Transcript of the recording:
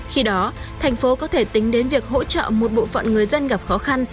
khi đó thành phố có thể tính đến việc hỗ trợ một bộ phận người dân gặp khó khăn